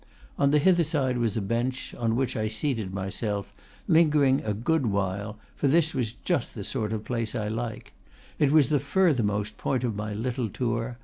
On the hither side was a bench, on which I seated myself, lingering a good while; for this was just the sort of place I like. It was the furthermost point of my little tour.